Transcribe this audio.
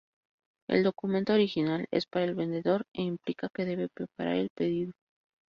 El documento original es para el vendedor e implica que debe preparar el pedido.